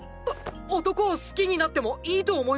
お男を好きになってもいいと思います！！